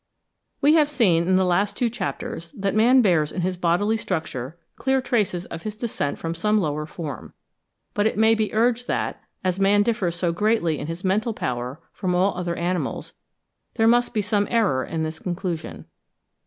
We have seen in the last two chapters that man bears in his bodily structure clear traces of his descent from some lower form; but it may be urged that, as man differs so greatly in his mental power from all other animals, there must be some error in this conclusion.